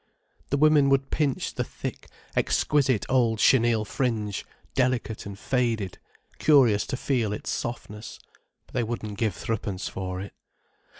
The women would pinch the thick, exquisite old chenille fringe, delicate and faded, curious to feel its softness. But they wouldn't give threepence for it.